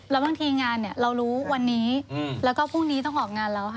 แล้วบางทีงานเนี่ยเรารู้วันนี้แล้วก็พรุ่งนี้ต้องออกงานแล้วค่ะ